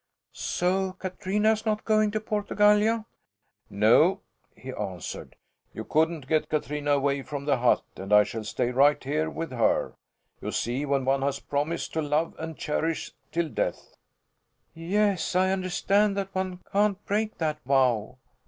"So Katrina is not going to Portugallia?" "No," he answered. "You couldn't get Katrina away from the hut, and I shall stay right here with her. You see when one has promised to love and cherish till death " "Yes, I understand that one can't break that vow."